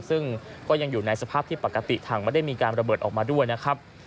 ซึ่งก็ยังอยู่ในสภาพที่ปกติถังไม่ได้มีการระเบิดออกมาด้วยนะครับ